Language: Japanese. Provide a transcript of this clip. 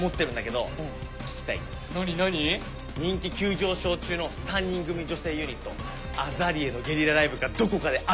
人気急上昇中の３人組女性ユニットＡＺＡＬＥＡのゲリラライブがどこかであるらしい。